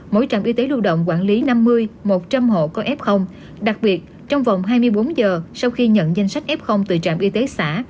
mỗi trạm y tế lưu động quản lý năm mươi một trăm linh hộ có f đặc biệt trong vòng hai mươi bốn giờ sau khi nhận danh sách f từ trạm y tế xã